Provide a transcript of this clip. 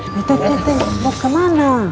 eh teh teh teh lo kemana